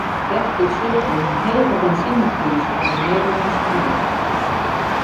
Dat betsjut dan in hege benzinepriis foar de Nederlânske merk.